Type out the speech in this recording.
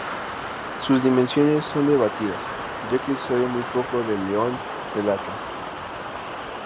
Sus dimensiones son debatidas, ya que se sabe muy poco del león del Atlas.